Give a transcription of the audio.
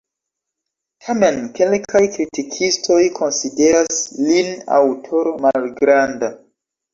Tamen kelkaj kritikistoj konsideras lin aŭtoro malgranda.